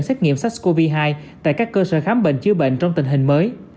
xét nghiệm sars cov hai tại các cơ sở khám bệnh chứa bệnh trong tình hình mới